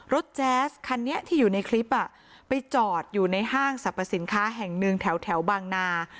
แจ๊สคันนี้ที่อยู่ในคลิปไปจอดอยู่ในห้างสรรพสินค้าแห่งหนึ่งแถวบางนา